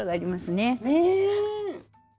ねえ！